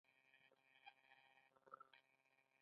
آیا نور هیوادونه ورڅخه زده کړه نه کوي؟